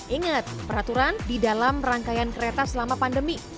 ingat peraturan di dalam rangkaian kereta selama pandemi